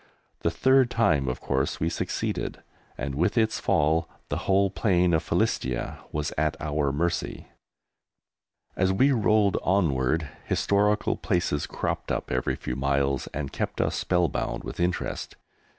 The third time of course we succeeded, and with its fall the whole plain of Philistia was at our mercy. As we rolled onward historical places cropped up every few miles and kept us spellbound with interest.